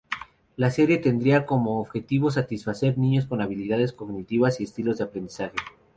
La serie tendría como objetivo satisfacer niños con habilidades cognitivas y estilos de aprendizaje.